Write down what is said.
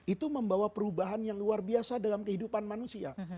itu membawa perubahan yang luar biasa dalam kehidupan manusia